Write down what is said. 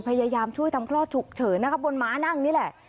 พยายามช่วยทำคลอดฉุกเฉินนะครับบนม้านั่งนี่แหละ